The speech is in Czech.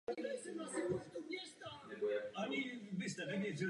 Tento problém se do určité míry týká každé evropské rodiny.